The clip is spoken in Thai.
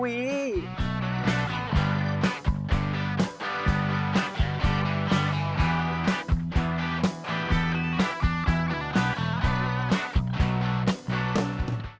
เวลาปลาย๓โมงไทยรัสทีวี